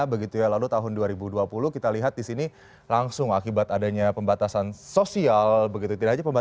begitu ya lalu tahun dua ribu dua puluh kita lihat di sini langsung akibat adanya pembatasan sosial begitu